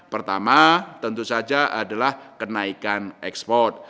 pertama tentu saja adalah kenaikan ekspor